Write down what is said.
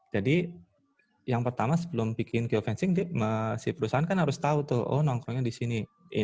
jadi yang pertama sebelum bikin geofencing perusahaan kan harus tahu oh nongkrongnya di sini